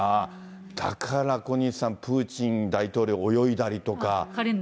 だから小西さん、プーチン大統領、泳いだりとか。